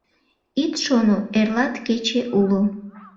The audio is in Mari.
Ит шоно: «Эрлат кече уло».